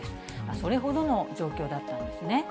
それほどの状況だったんですね。